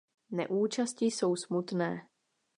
Neúčasti jsou smutné.